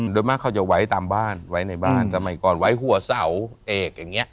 โดยมากเขาจะไว้ตามบ้านไว้ในบ้านสมัยก่อนไว้หัวเสาเอกอย่างนี้